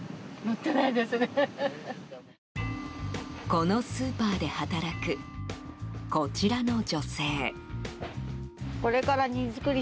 このスーパーで働くこちらの女性。